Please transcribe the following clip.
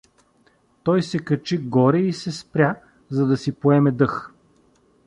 Той се качи горе и се спря, за да си поеме дъх.